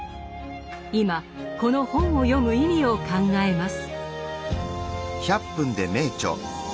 今この本を読む意味を考えます。